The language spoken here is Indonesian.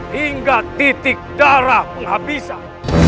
hingga titik darah penghabisan